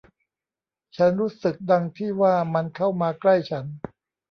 ฉันรู้สึกดังที่ว่ามันเข้ามาใกล้ฉัน